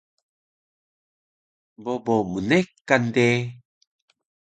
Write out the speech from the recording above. Bobo mnekan de